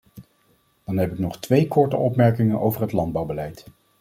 Dan heb ik nog twee korte opmerkingen over het landbouwbeleid.